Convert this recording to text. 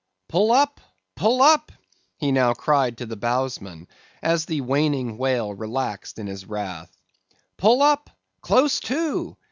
"Pull up—pull up!" he now cried to the bowsman, as the waning whale relaxed in his wrath. "Pull up!—close to!"